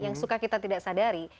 yang suka kita tidak sadari